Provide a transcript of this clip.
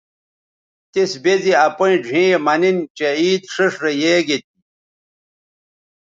تِس بے زی اپیئں ڙھیئں یے مہ نِن چہء عید ݜیئݜ رے یے گے